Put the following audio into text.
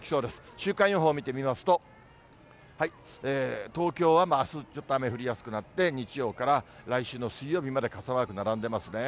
週間予報見てみますと、東京はあす、ちょっと雨降りやすくなって、日曜から来週の水曜日まで傘マーク並んでますね。